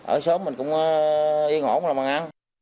ở xóm mình cũng yên ổn làm ăn